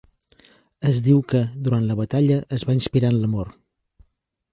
Es diu que, durant la batalla, es va inspirar en l'amor.